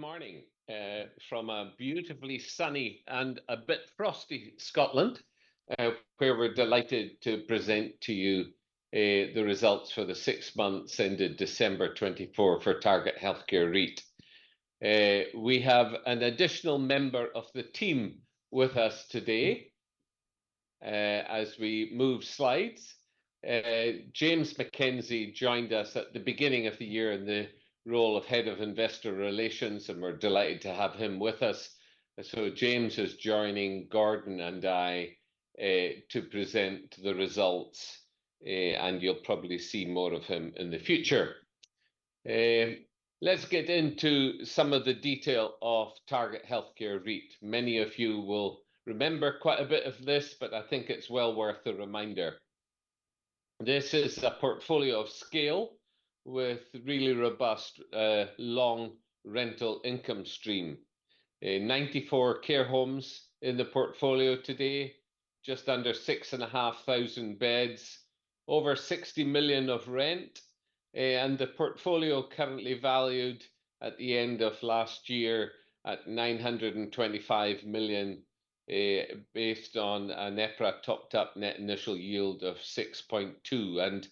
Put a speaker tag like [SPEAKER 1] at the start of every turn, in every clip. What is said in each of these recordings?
[SPEAKER 1] Good morning from a beautifully sunny and a bit frosty Scotland, where we're delighted to present to you the results for the six months ended December 2024 for Target Healthcare REIT. We have an additional member of the team with us today as we move slides. James MacKenzie joined us at the beginning of the year in the role of Head of Investor Relations, and we're delighted to have him with us. James is joining Gordon and I to present the results, and you'll probably see more of him in the future. Let's get into some of the detail of Target Healthcare REIT. Many of you will remember quite a bit of this, but I think it's well worth the reminder. This is a portfolio of scale with really robust long rental income stream, 94 care homes in the portfolio today, just under 6,500 beds, over 60 million of rent, and the portfolio currently valued at the end of last year at 925 million based on an EPRA Topped-Up Net Initial Yield of 6.2%.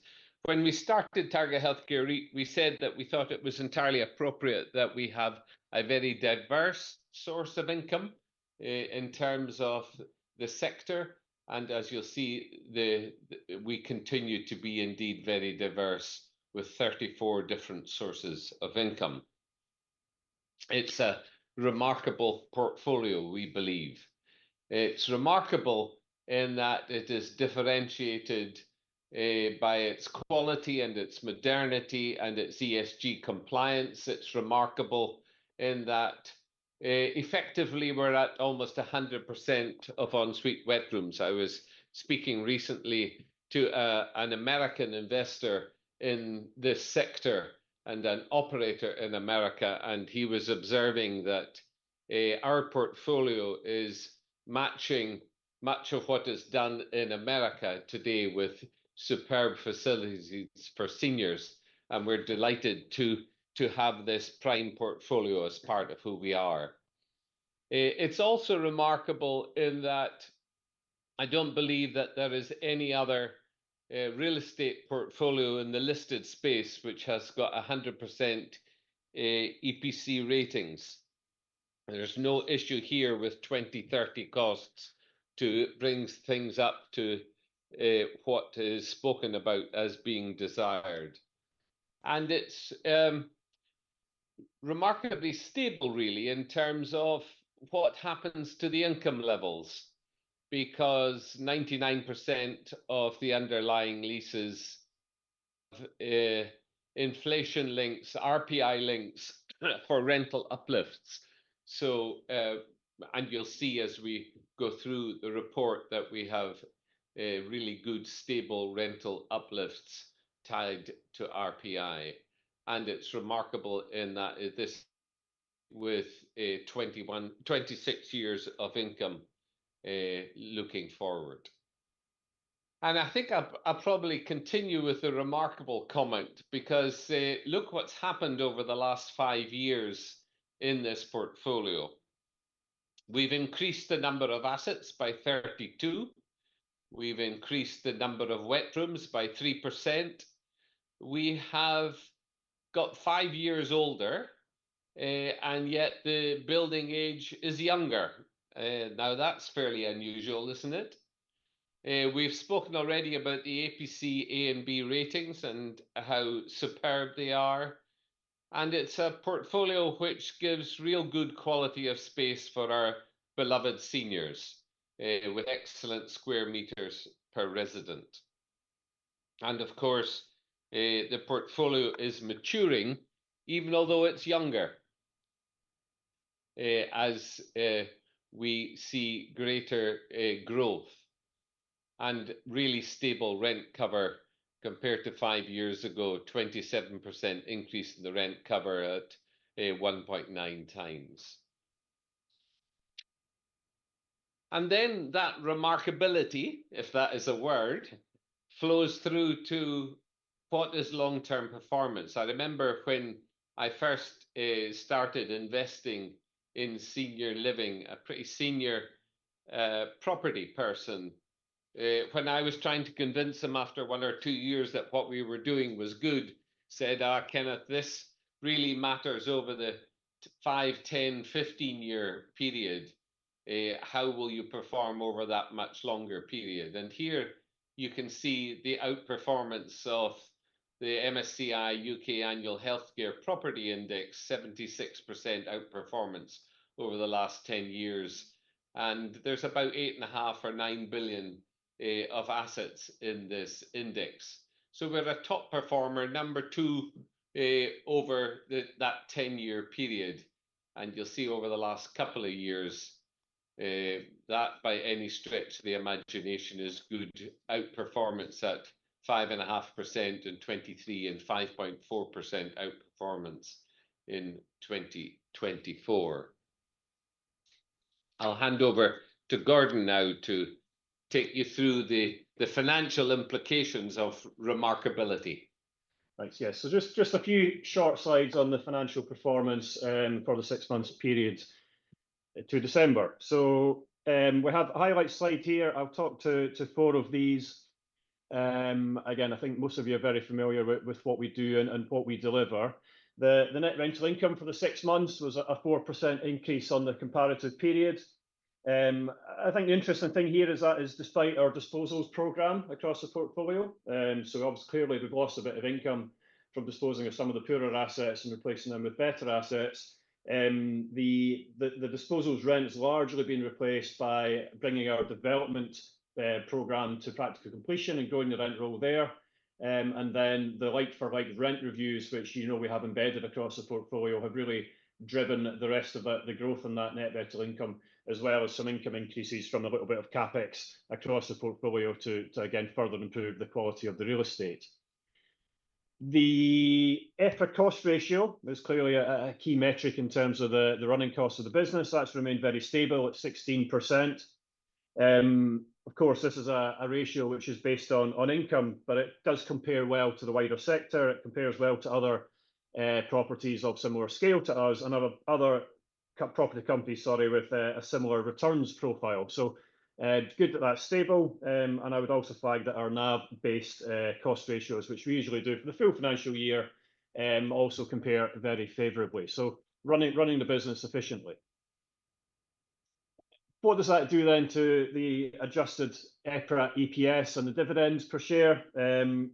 [SPEAKER 1] When we started Target Healthcare REIT, we said that we thought it was entirely appropriate that we have a very diverse source of income in terms of the sector. As you'll see, we continue to be indeed very diverse with 34 different sources of income. It's a remarkable portfolio, we believe. It's remarkable in that it is differentiated by its quality and its modernity and its ESG compliance. It's remarkable in that effectively we're at almost 100% of en suite bedrooms. I was speaking recently to an American investor in this sector and an operator in America, and he was observing that our portfolio is matching much of what is done in America today with superb facilities for seniors. We're delighted to have this prime portfolio as part of who we are. It's also remarkable in that I don't believe that there is any other real estate portfolio in the listed space which has got 100% EPC ratings. There's no issue here with 2030 costs to bring things up to what is spoken about as being desired. It's remarkably stable, really, in terms of what happens to the income levels because 99% of the underlying leases have inflation links, RPI links for rental uplifts. You'll see as we go through the report that we have really good stable rental uplifts tied to RPI. It is remarkable in that this with 26 years of income looking forward. I think I'll probably continue with a remarkable comment because look what's happened over the last five years in this portfolio. We've increased the number of assets by 32. We've increased the number of wet rooms by 3%. We have got five years older, and yet the building age is younger. That is fairly unusual, isn't it? We've spoken already about the EPC A and B ratings and how superb they are. It is a portfolio which gives real good quality of space for our beloved seniors with excellent square meters per resident. Of course, the portfolio is maturing even although it's younger as we see greater growth and really stable rent cover compared to five years ago, 27% increase in the rent cover at 1.9 times. That remarkability, if that is a word, flows through to what is long-term performance. I remember when I first started investing in senior living, a pretty senior property person, when I was trying to convince him after one or two years that what we were doing was good, said, "Kenneth, this really matters over the 5, 10, 15 year period. How will you perform over that much longer period?" Here you can see the outperformance of the MSCI UK Annual Healthcare Property Index, 76% outperformance over the last 10 years. There is about 8.5 billion or 9 billion of assets in this index. We are a top performer, number two over that 10 year period. You will see over the last couple of years that by any stretch of the imagination is good outperformance at 5.5% in 2023 and 5.4% outperformance in 2024. I'll hand over to Gordon now to take you through the financial implications of remarkability.
[SPEAKER 2] Thanks. Yeah. Just a few short slides on the financial performance for the six months period to December. We have a highlight slide here. I've talked to four of these. Again, I think most of you are very familiar with what we do and what we deliver. The net rental income for the six months was a 4% increase on the comparative period. I think the interesting thing here is that despite our disposals program across the portfolio, clearly we've lost a bit of income from disposing of some of the poorer assets and replacing them with better assets. The disposals rent has largely been replaced by bringing our development program to practical completion and growing the rental there. The like-for-like rent reviews, which we have embedded across the portfolio, have really driven the rest of the growth in that net rental income, as well as some income increases from a little bit of CapEx across the portfolio to, again, further improve the quality of the real estate. The EPRA cost ratio is clearly a key metric in terms of the running costs of the business. That's remained very stable at 16%. Of course, this is a ratio which is based on income, but it does compare well to the wider sector. It compares well to other properties of similar scale to ours and other property companies, sorry, with a similar returns profile. Good that that's stable. I would also flag that our NAV-based cost ratios, which we usually do for the full financial year, also compare very favorably. Running the business efficiently. What does that do then to the Adjusted EPRA EPS and the dividends per share?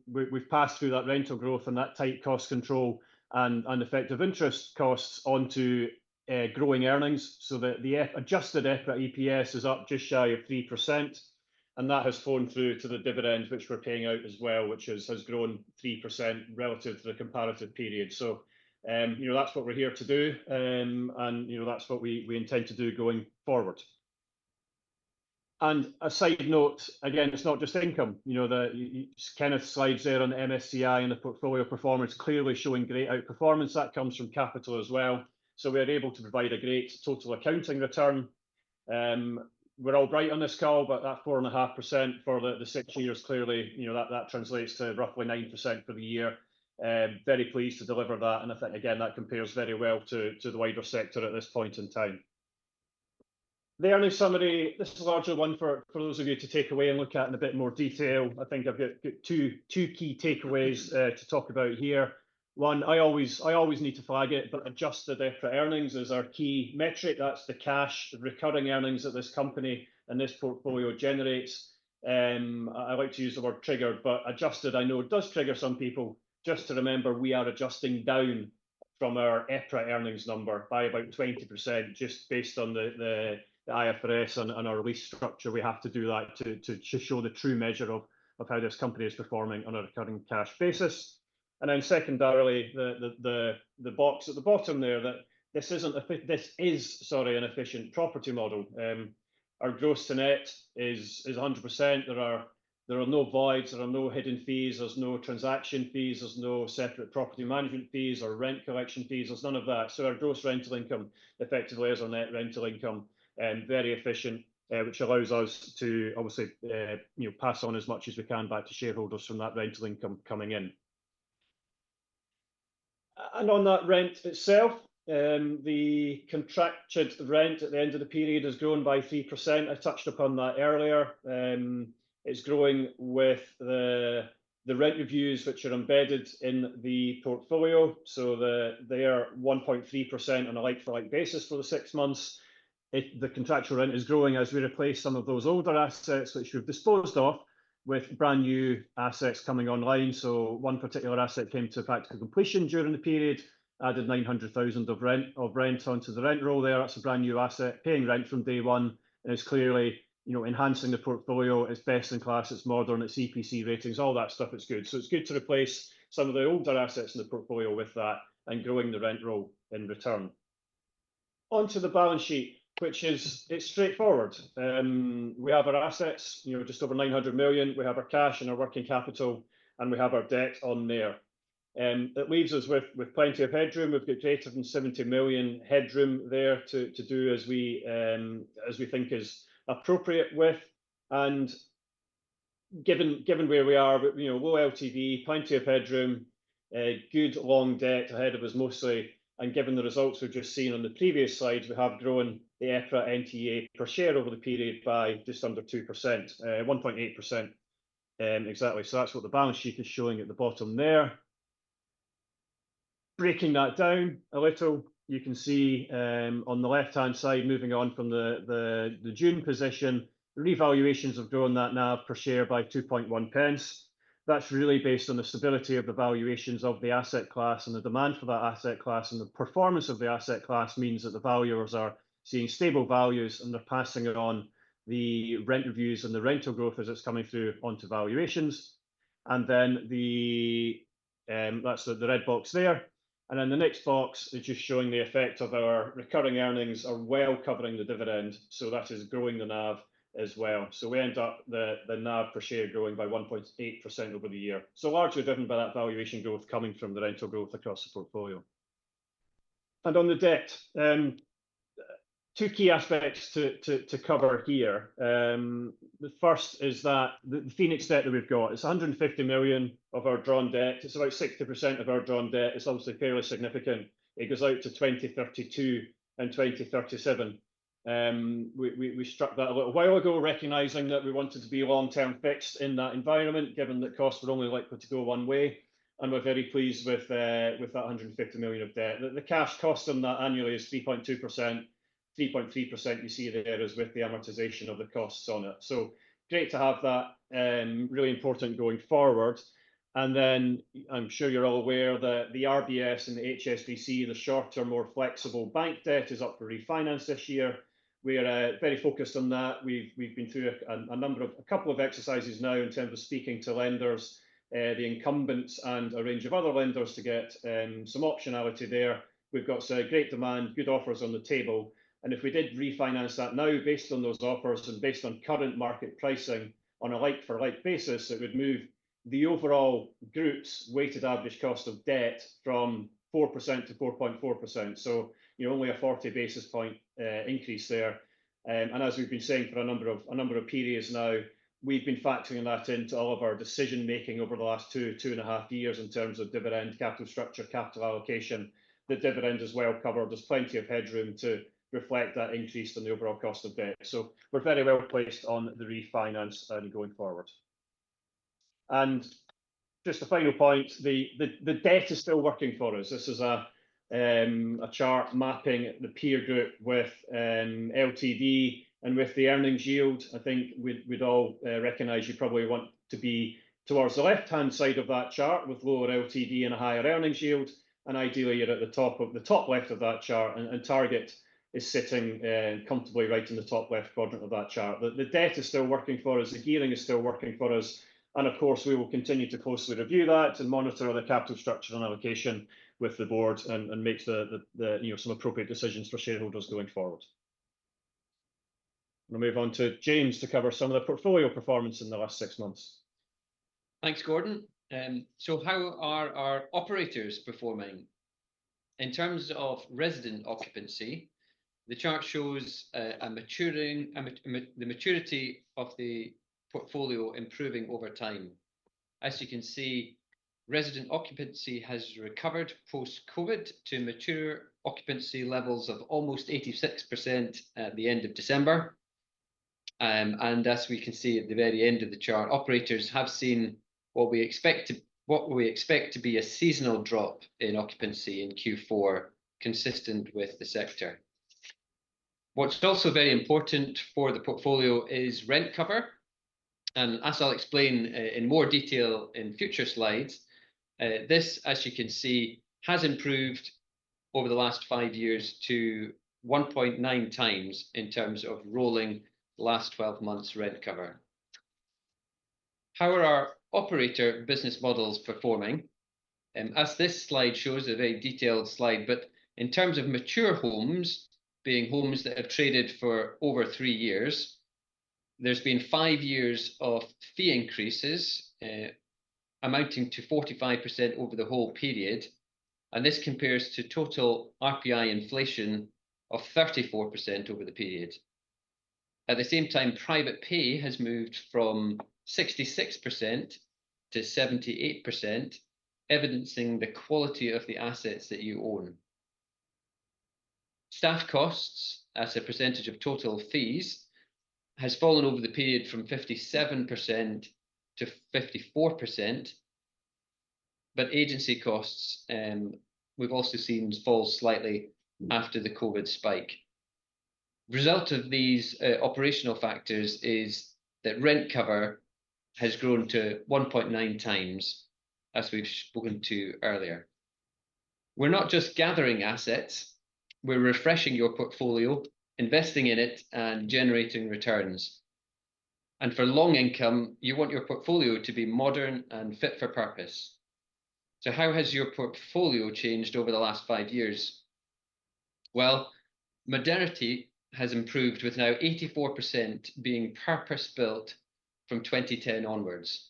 [SPEAKER 2] We've passed through that rental growth and that tight cost control and effective interest costs onto growing earnings. The Adjusted EPRA EPS is up just shy of 3%. That has fallen through to the dividends, which we're paying out as well, which has grown 3% relative to the comparative period. That's what we're here to do. That's what we intend to do going forward. A side note, again, it's not just income. Kenneth's slides there on the MSCI and the portfolio performance clearly showing great outperformance. That comes from capital as well. We're able to provide a great total accounting return. We're all right on this call, but that 4.5% for the six years, clearly that translates to roughly 9% for the year. Very pleased to deliver that. I think, again, that compares very well to the wider sector at this point in time. The earnings summary, this is largely one for those of you to take away and look at in a bit more detail. I think I've got two key takeaways to talk about here. One, I always need to flag it, but adjusted EPRA earnings is our key metric. That's the cash recurring earnings that this company and this portfolio generates. I like to use the word triggered, but adjusted, I know it does trigger some people. Just to remember, we are adjusting down from our EPRA earnings number by about 20% just based on the IFRS and our lease structure. We have to do that to show the true measure of how this company is performing on a recurring cash basis. Secondarily, the box at the bottom there, this is an efficient property model. Our gross to net is 100%. There are no voids. There are no hidden fees. There are no transaction fees. There are no separate property management fees or rent collection fees. There is none of that. Our gross rental income effectively is our net rental income, very efficient, which allows us to obviously pass on as much as we can back to shareholders from that rental income coming in. On that rent itself, the contracted rent at the end of the period has grown by 3%. I touched upon that earlier. It is growing with the rent reviews which are embedded in the portfolio. They are 1.3% on a like-for-like basis for the six months. The contractual rent is growing as we replace some of those older assets which we've disposed of with brand new assets coming online. One particular asset came to practical completion during the period, added 900,000 of rent onto the rent roll there. That's a brand new asset paying rent from day one. It's clearly enhancing the portfolio. It's best in class. It's modern. It's EPC ratings. All that stuff is good. It's good to replace some of the older assets in the portfolio with that and growing the rent roll in return. Onto the balance sheet, which is straightforward. We have our assets, just over 900 million. We have our cash and our working capital, and we have our debt on there. That leaves us with plenty of headroom. We've got greater than 70 million headroom there to do as we think is appropriate with. Given where we are, low LTV, plenty of headroom, good long debt ahead of us mostly. Given the results we've just seen on the previous slides, we have grown the EPRA NTA per share over the period by just under 2%, 1.8%. Exactly. That is what the balance sheet is showing at the bottom there. Breaking that down a little, you can see on the left-hand side, moving on from the June position, revaluations have grown that NAV per share by 2.1 pence. That is really based on the stability of the valuations of the asset class and the demand for that asset class. The performance of the asset class means that the valuers are seeing stable values and they are passing on the rent reviews and the rental growth as it is coming through onto valuations. That is the red box there. The next box is just showing the effect of our recurring earnings are well covering the dividend. That is growing the NAV as well. We end up the NAV per share growing by 1.8% over the year, largely driven by that valuation growth coming from the rental growth across the portfolio. On the debt, two key aspects to cover here. The first is that the Phoenix debt that we've got is 150 million of our drawn debt. It is about 60% of our drawn debt. It is obviously fairly significant. It goes out to 2032 and 2037. We struck that a little while ago, recognizing that we wanted to be long-term fixed in that environment, given that costs were only likely to go one way. We are very pleased with that 150 million of debt. The cash cost on that annually is 3.2%. 3.3% you see there is with the amortization of the costs on it. Really important going forward. I'm sure you're all aware that the RBS and the HSBC, the short-term more flexible bank debt is up for refinance this year. We're very focused on that. We've been through a couple of exercises now in terms of speaking to lenders, the incumbents, and a range of other lenders to get some optionality there. We've got some great demand, good offers on the table. If we did refinance that now based on those offers and based on current market pricing on a like-for-like basis, it would move the overall group's weighted average cost of debt from 4% to 4.4%. Only a 40 basis point increase there. As we've been saying for a number of periods now, we've been factoring that into all of our decision-making over the last two, two and a half years in terms of dividend, capital structure, capital allocation. The dividend is well covered. There's plenty of headroom to reflect that increase in the overall cost of debt. We are very well placed on the refinance going forward. Just a final point, the debt is still working for us. This is a chart mapping the peer group with LTV and with the earnings yield. I think we'd all recognize you probably want to be towards the left-hand side of that chart with lower LTV and a higher earnings yield. Ideally, you're at the top left of that chart. Target is sitting comfortably right in the top left quadrant of that chart. The debt is still working for us. The gearing is still working for us. Of course, we will continue to closely review that and monitor the capital structure and allocation with the board and make some appropriate decisions for shareholders going forward. I'm going to move on to James to cover some of the portfolio performance in the last six months.
[SPEAKER 3] Thanks, Gordon. How are our operators performing? In terms of resident occupancy, the chart shows the maturity of the portfolio improving over time. As you can see, resident occupancy has recovered post-COVID to mature occupancy levels of almost 86% at the end of December. As we can see at the very end of the chart, operators have seen what we expect to be a seasonal drop in occupancy in Q4, consistent with the sector. What's also very important for the portfolio is rent cover. As I'll explain in more detail in future slides, this, as you can see, has improved over the last five years to 1.9 times in terms of rolling last 12 months rent cover. How are our operator business models performing? As this slide shows, a very detailed slide, but in terms of mature homes being homes that have traded for over three years, there's been five years of fee increases amounting to 45% over the whole period. This compares to total RPI inflation of 34% over the period. At the same time, private pay has moved from 66% to 78%, evidencing the quality of the assets that you own. Staff costs as a percentage of total fees has fallen over the period from 57% to 54%. Agency costs, we've also seen fall slightly after the COVID spike. Result of these operational factors is that rent cover has grown to 1.9 times, as we've spoken to earlier. We're not just gathering assets. We're refreshing your portfolio, investing in it, and generating returns. For long income, you want your portfolio to be modern and fit for purpose. How has your portfolio changed over the last five years? Modernity has improved with now 84% being purpose-built from 2010 onwards.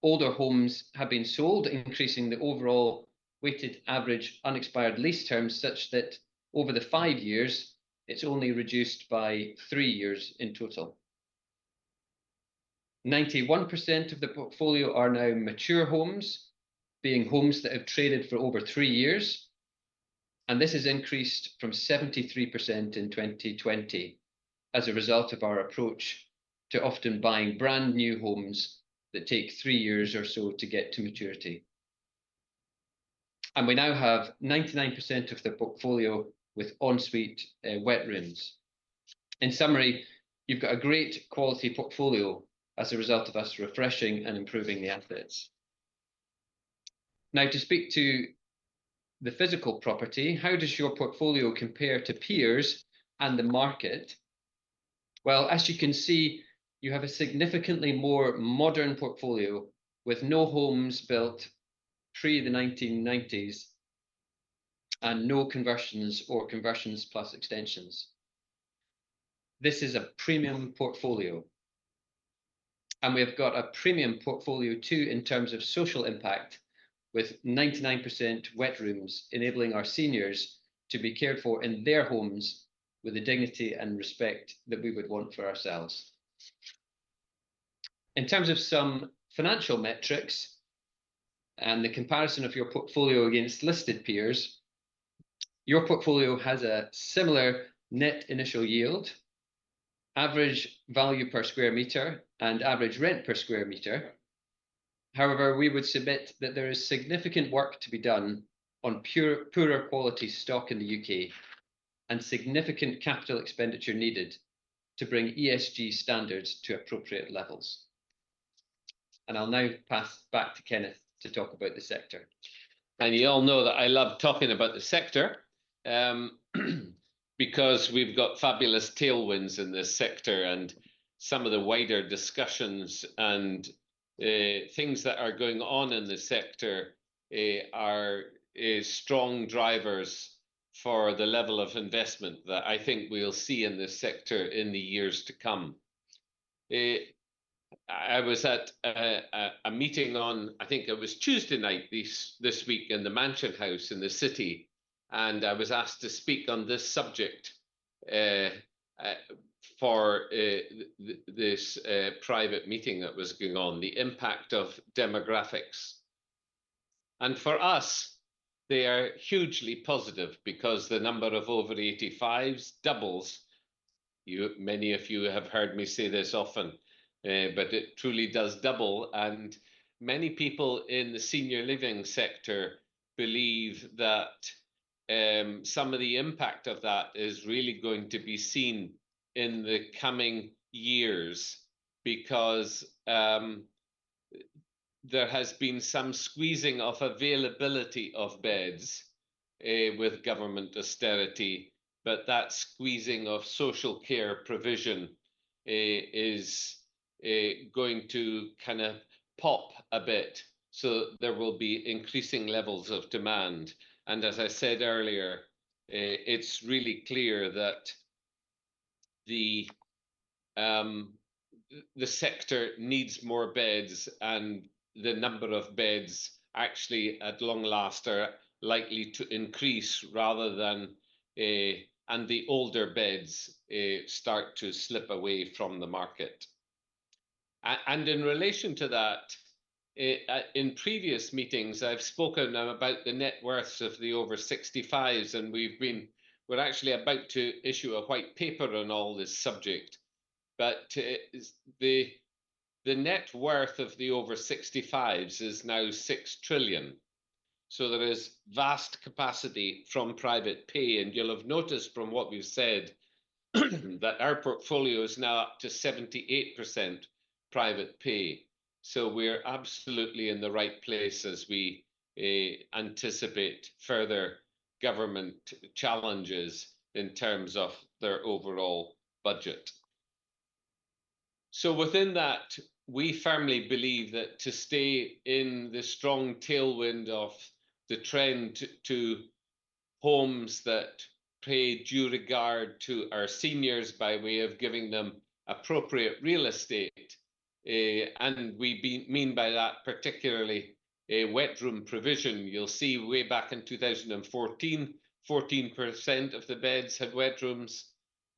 [SPEAKER 3] Older homes have been sold, increasing the overall weighted average unexpired lease terms such that over the five years, it has only reduced by three years in total. 91% of the portfolio are now mature homes, being homes that have traded for over three years. This has increased from 73% in 2020 as a result of our approach to often buying brand new homes that take three years or so to get to maturity. We now have 99% of the portfolio with ensuite wet rooms. In summary, you have a great quality portfolio as a result of us refreshing and improving the assets. To speak to the physical property, how does your portfolio compare to peers and the market? As you can see, you have a significantly more modern portfolio with no homes built pre the 1990s and no conversions or conversions plus extensions. This is a premium portfolio. We have got a premium portfolio too in terms of social impact with 99% wet rooms enabling our seniors to be cared for in their homes with the dignity and respect that we would want for ourselves. In terms of some financial metrics and the comparison of your portfolio against listed peers, your portfolio has a similar net initial yield, average value per square meter, and average rent per square meter. However, we would submit that there is significant work to be done on poorer quality stock in the U.K. and significant capital expenditure needed to bring ESG standards to appropriate levels. I'll now pass back to Kenneth to talk about the sector.
[SPEAKER 1] You all know that I love talking about the sector because we've got fabulous tailwinds in this sector. Some of the wider discussions and things that are going on in the sector are strong drivers for the level of investment that I think we'll see in this sector in the years to come. I was at a meeting on, I think it was Tuesday night this week in the Mansion House in the City. I was asked to speak on this subject for this private meeting that was going on, the impact of demographics. For us, they are hugely positive because the number of over 85s doubles. Many of you have heard me say this often, but it truly does double. Many people in the senior living sector believe that some of the impact of that is really going to be seen in the coming years because there has been some squeezing of availability of beds with government austerity. That squeezing of social care provision is going to kind of pop a bit. There will be increasing levels of demand. As I said earlier, it's really clear that the sector needs more beds and the number of beds actually at long last are likely to increase rather than the older beds start to slip away from the market. In relation to that, in previous meetings, I've spoken about the net worths of the over 65s. We're actually about to issue a white paper on all this subject. The net worth of the over 65s is now 6 trillion. There is vast capacity from private pay. You'll have noticed from what we've said that our portfolio is now up to 78% private pay. We're absolutely in the right place as we anticipate further government challenges in terms of their overall budget. Within that, we firmly believe that to stay in the strong tailwind of the trend to homes that pay due regard to our seniors by way of giving them appropriate real estate. We mean by that particularly wet room provision. You'll see way back in 2014, 14% of the beds had wet rooms.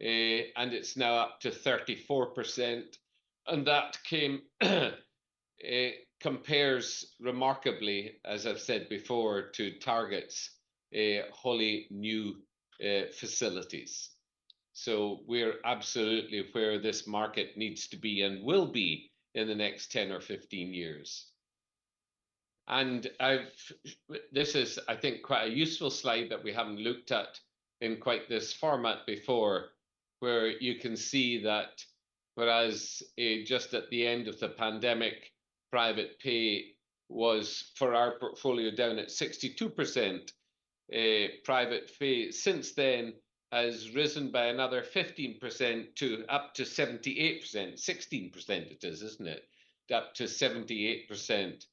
[SPEAKER 1] It's now up to 34%. That compares remarkably, as I've said before, to Target's wholly new facilities. We're absolutely where this market needs to be and will be in the next 10 or 15 years. This is, I think, quite a useful slide that we have not looked at in quite this format before where you can see that just at the end of the pandemic, private pay was for our portfolio down at 62%. Private pay since then has risen by another 15% to up to 78%. Sixteen percent it is, is not it? Up to 78%,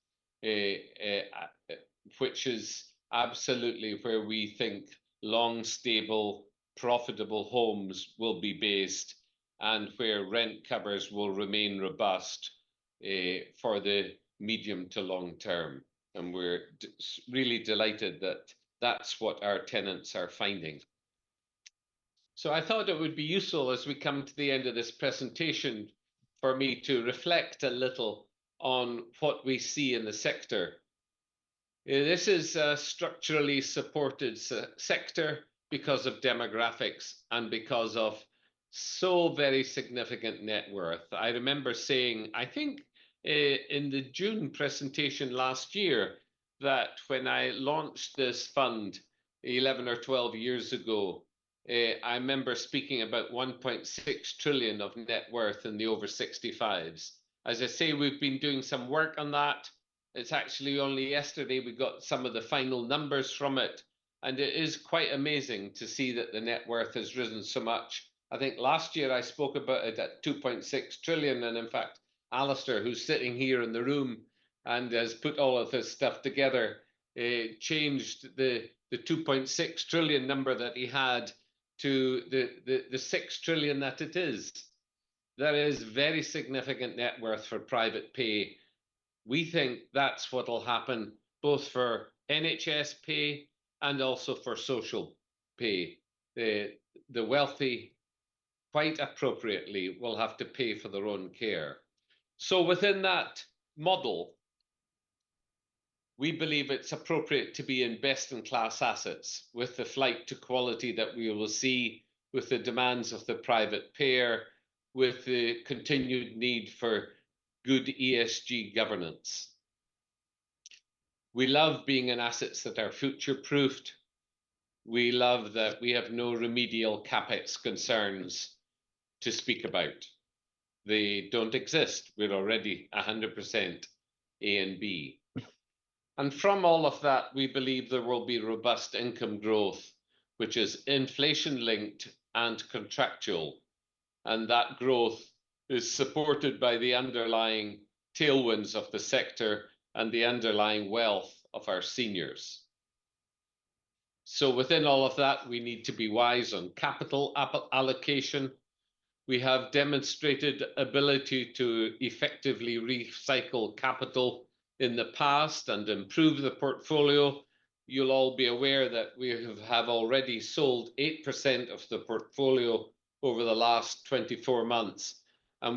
[SPEAKER 1] which is absolutely where we think long, stable, profitable homes will be based and where rent covers will remain robust for the medium to long term. We are really delighted that that is what our tenants are finding. I thought it would be useful as we come to the end of this presentation for me to reflect a little on what we see in the sector. This is a structurally supported sector because of demographics and because of so very significant net worth. I remember saying, I think in the June presentation last year that when I launched this fund 11 or 12 years ago, I remember speaking about 1.6 trillion of net worth in the over 65s. As I say, we've been doing some work on that. It's actually only yesterday we got some of the final numbers from it. It is quite amazing to see that the net worth has risen so much. I think last year I spoke about it at 2.6 trillion. In fact, Alastair, who's sitting here in the room and has put all of this stuff together, changed the 2.6 trillion number that he had to the 6 trillion that it is. That is very significant net worth for private pay. We think that's what will happen both for NHS pay and also for social pay. The wealthy, quite appropriately, will have to pay for their own care. Within that model, we believe it is appropriate to be in best-in-class assets with the flight to quality that we will see with the demands of the private payer, with the continued need for good ESG governance. We love being in assets that are future-proofed. We love that we have no remedial CapEx concerns to speak about. They do not exist. We are already 100% A and B. From all of that, we believe there will be robust income growth, which is inflation-linked and contractual. That growth is supported by the underlying tailwinds of the sector and the underlying wealth of our seniors. Within all of that, we need to be wise on capital allocation. We have demonstrated the ability to effectively recycle capital in the past and improve the portfolio. will all be aware that we have already sold 8% of the portfolio over the last 24 months.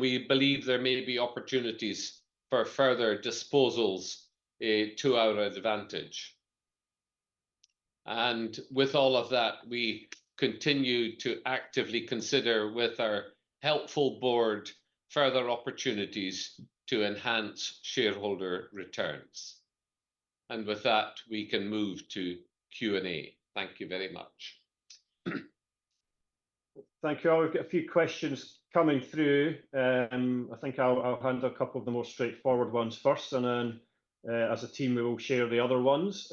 [SPEAKER 1] We believe there may be opportunities for further disposals to our advantage. With all of that, we continue to actively consider with our helpful board further opportunities to enhance shareholder returns. With that, we can move to Q&A. Thank you very much.
[SPEAKER 2] Thank you all. We've got a few questions coming through. I think I'll handle a couple of the more straightforward ones first. As a team, we will share the other ones.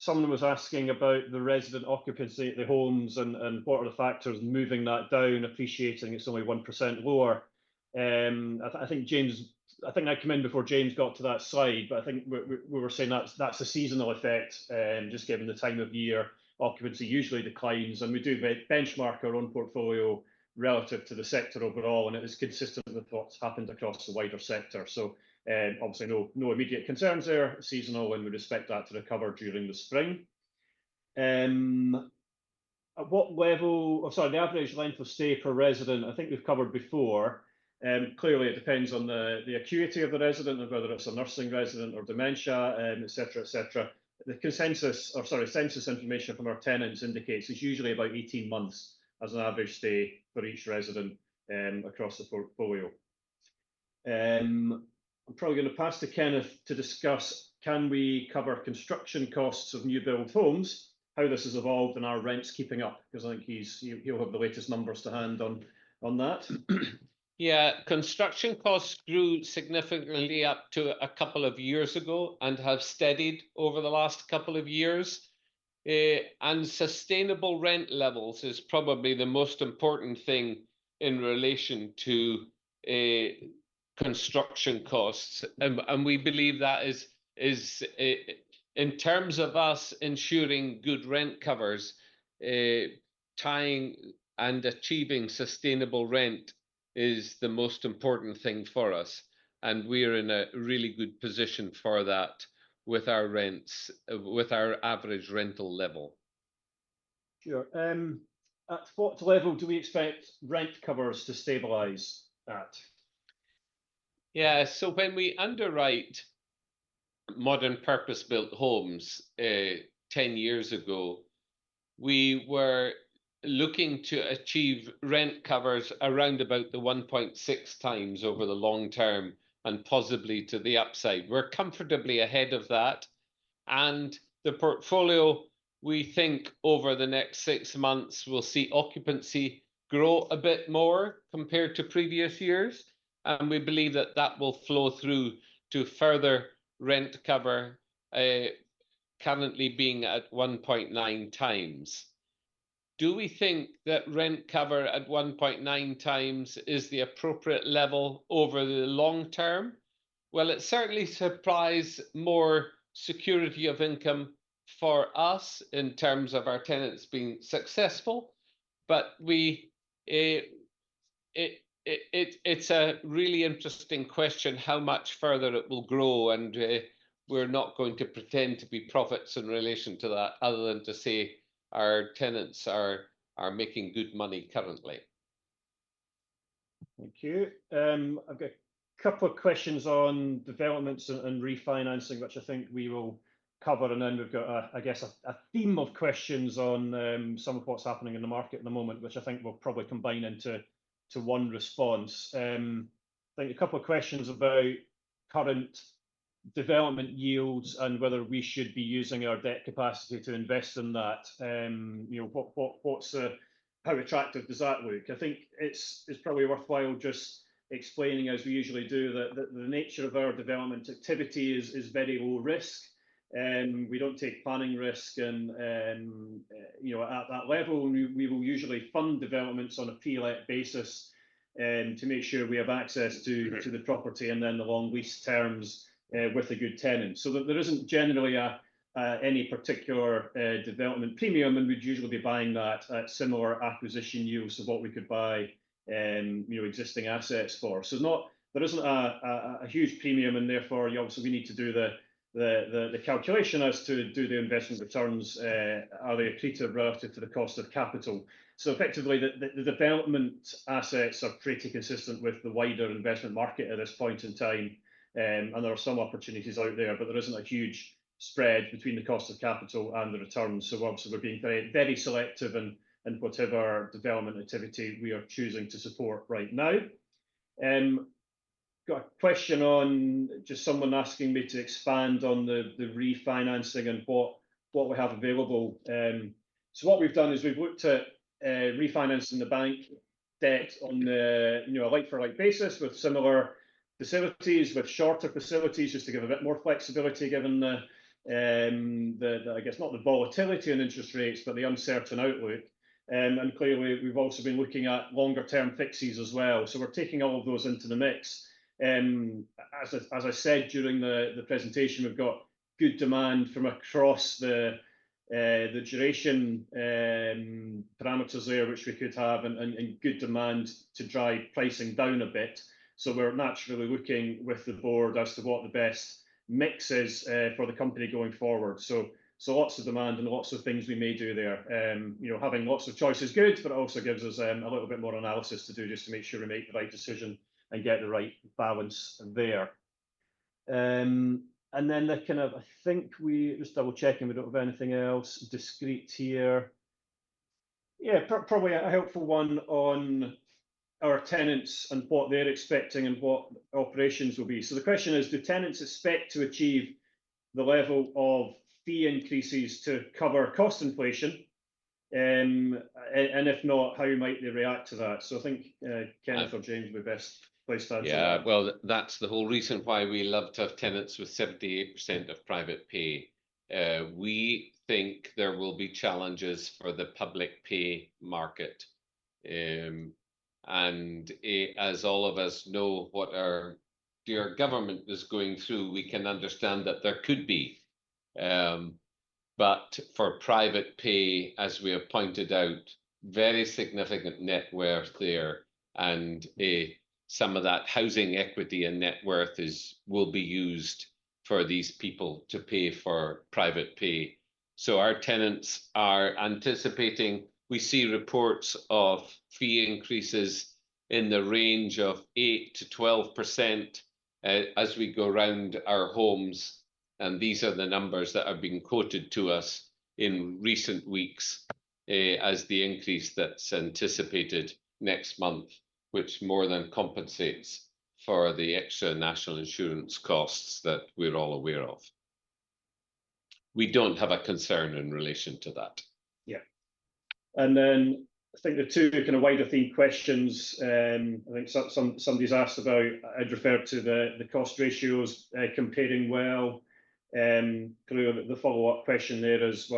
[SPEAKER 2] Someone was asking about the resident occupancy at the homes and what are the factors moving that down, appreciating it's only 1% lower. I think I came in before James got to that slide, but I think we were saying that's a seasonal effect, just given the time of year. Occupancy usually declines. We do benchmark our own portfolio relative to the sector overall. It is consistent with what's happened across the wider sector. Obviously, no immediate concerns there. Seasonal, and we expect that to recover during the spring. What level of, sorry, the average length of stay per resident, I think we've covered before. Clearly, it depends on the acuity of the resident and whether it's a nursing resident or dementia, etc., etc. The census information from our tenants indicates it's usually about 18 months as an average stay for each resident across the portfolio. I'm probably going to pass to Kenneth to discuss, can we cover construction costs of new build homes, how this has evolved, and are our rents keeping up? Because I think he'll have the latest numbers to hand on that.
[SPEAKER 1] Yeah, construction costs grew significantly up to a couple of years ago and have steadied over the last couple of years. Sustainable rent levels is probably the most important thing in relation to construction costs. We believe that is, in terms of us ensuring good rent covers, tying and achieving sustainable rent is the most important thing for us. We are in a really good position for that with our rents, with our average rental level.
[SPEAKER 2] Sure. At what level do we expect rent covers to stabilize at?
[SPEAKER 1] Yeah, so when we underwrite modern purpose-built homes 10 years ago, we were looking to achieve rent covers around about the 1.6 times over the long term and possibly to the upside. We're comfortably ahead of that. The portfolio, we think over the next six months, we'll see occupancy grow a bit more compared to previous years. We believe that that will flow through to further rent cover currently being at 1.9 times. Do we think that rent cover at 1.9 times is the appropriate level over the long term? It certainly supplies more security of income for us in terms of our tenants being successful. It's a really interesting question how much further it will grow. We're not going to pretend to be prophets in relation to that other than to say our tenants are making good money currently.
[SPEAKER 2] Thank you. I've got a couple of questions on developments and refinancing, which I think we will cover. Then we've got, I guess, a theme of questions on some of what's happening in the market at the moment, which I think we'll probably combine into one response. I think a couple of questions about current development yields and whether we should be using our debt capacity to invest in that. How attractive does that look? I think it's probably worthwhile just explaining, as we usually do, that the nature of our development activity is very low risk. We don't take planning risk at that level. We will usually fund developments on a pre-let basis to make sure we have access to the property and then the long lease terms with a good tenant. There isn't generally any particular development premium. We'd usually be buying that at similar acquisition yields to what we could buy existing assets for. There isn't a huge premium. Therefore, obviously, we need to do the calculation as to do the investment returns, are they treated relative to the cost of capital. Effectively, the development assets are pretty consistent with the wider investment market at this point in time. There are some opportunities out there, but there isn't a huge spread between the cost of capital and the returns. Obviously, we're being very selective in whatever development activity we are choosing to support right now. Got a question on just someone asking me to expand on the refinancing and what we have available. What we've done is we've looked at refinancing the bank debt on a like-for-like basis with similar facilities, with shorter facilities, just to give a bit more flexibility given the, I guess, not the volatility in interest rates, but the uncertain outlook. Clearly, we've also been looking at longer-term fixes as well. We're taking all of those into the mix. As I said during the presentation, we've got good demand from across the duration parameters there, which we could have and good demand to drive pricing down a bit. We're naturally looking with the board as to what the best mix is for the company going forward. Lots of demand and lots of things we may do there. Having lots of choice is good, but it also gives us a little bit more analysis to do just to make sure we make the right decision and get the right balance there. I think we are just double-checking we do not have anything else discrete here. Yeah, probably a helpful one on our tenants and what they are expecting and what operations will be. The question is, do tenants expect to achieve the level of fee increases to cover cost inflation? If not, how might they react to that? I think Kenneth or James would be best placed to answer.
[SPEAKER 1] Yeah, that's the whole reason why we love to have tenants with 78% of private pay. We think there will be challenges for the public pay market. As all of us know what our dear government is going through, we can understand that there could be. For private pay, as we have pointed out, very significant net worth there. Some of that housing equity and net worth will be used for these people to pay for private pay. Our tenants are anticipating. We see reports of fee increases in the range of 8 to 12% as we go around our homes. These are the numbers that have been quoted to us in recent weeks as the increase that's anticipated next month, which more than compensates for the extra National Insurance costs that we're all aware of. We don't have a concern in relation to that.
[SPEAKER 2] Yeah. I think the two kind of wider-themed questions, I think somebody's asked about, I'd refer to the cost ratios comparing well. The follow-up question there is,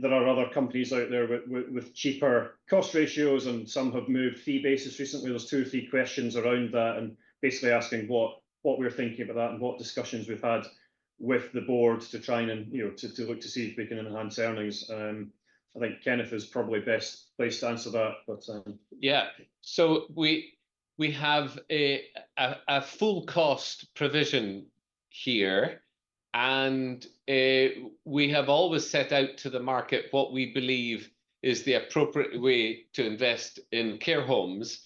[SPEAKER 2] there are other companies out there with cheaper cost ratios, and some have moved fee basis recently. There's two or three questions around that and basically asking what we're thinking about that and what discussions we've had with the board to try and look to see if we can enhance earnings. I think Kenneth is probably best placed to answer that.
[SPEAKER 1] Yeah. We have a full cost provision here. We have always set out to the market what we believe is the appropriate way to invest in care homes.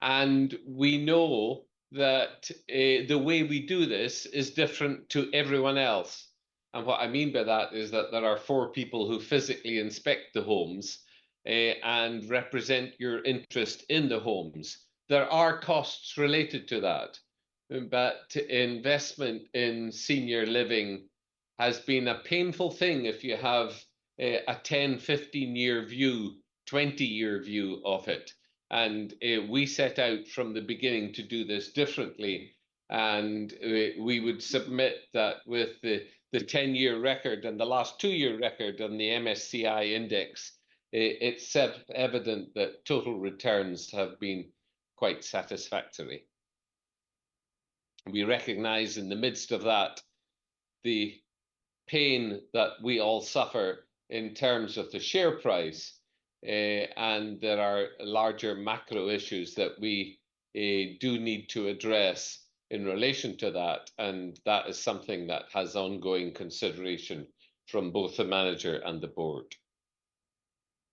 [SPEAKER 1] We know that the way we do this is different to everyone else. What I mean by that is that there are four people who physically inspect the homes and represent your interest in the homes. There are costs related to that. Investment in senior living has been a painful thing if you have a 10, 15-year view, 20-year view of it. We set out from the beginning to do this differently. We would submit that with the 10-year record and the last two-year record on the MSCI index, it is evident that total returns have been quite satisfactory. We recognize in the midst of that the pain that we all suffer in terms of the share price. There are larger macro issues that we do need to address in relation to that. That is something that has ongoing consideration from both the manager and the board.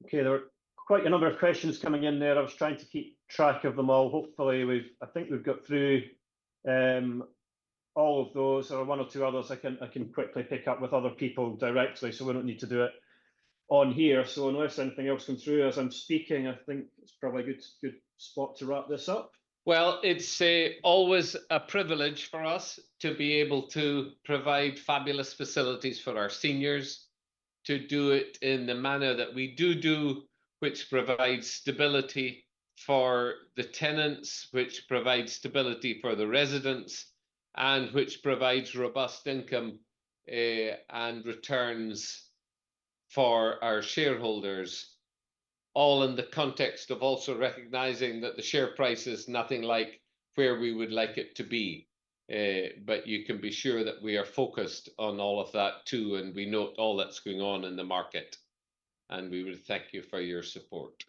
[SPEAKER 2] Okay, there are quite a number of questions coming in there. I was trying to keep track of them all. Hopefully, I think we've got through all of those. There are one or two others I can quickly pick up with other people directly, so we don't need to do it on here. Unless anything else comes through as I'm speaking, I think it's probably a good spot to wrap this up.
[SPEAKER 1] It is always a privilege for us to be able to provide fabulous facilities for our seniors to do it in the manner that we do do, which provides stability for the tenants, which provides stability for the residents, and which provides robust income and returns for our shareholders, all in the context of also recognizing that the share price is nothing like where we would like it to be. You can be sure that we are focused on all of that too, and we note all that is going on in the market. We would thank you for your support.